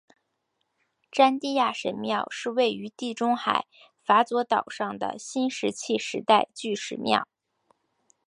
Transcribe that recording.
詹蒂亚神庙是位于地中海戈佐岛上的新石器时代巨石庙。